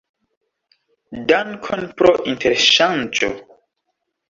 Dankon pro interŝanĝo!